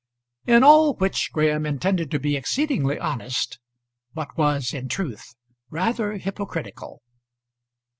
In all which Graham intended to be exceedingly honest, but was, in truth, rather hypocritical.